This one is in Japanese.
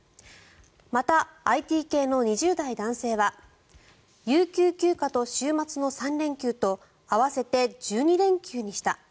またＩＴ系の２０代男性は有給休暇と週末の３連休と合わせて１２連休にした。